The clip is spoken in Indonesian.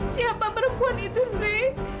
siapa perempuan itu andre